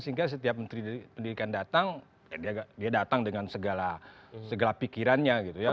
sehingga setiap menteri pendidikan datang dia datang dengan segala pikirannya gitu ya